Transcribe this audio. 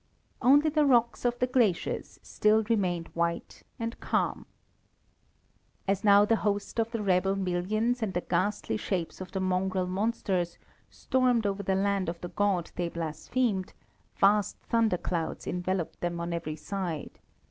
Only the rocks of the glaciers still remained white and calm. As now the host of the rebel millions and the ghastly shapes of the mongrel monsters stormed over the land of the God they blasphemed, vast thunderclouds enveloped them on every side.